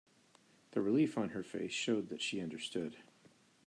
The relief on her face showed that she understood.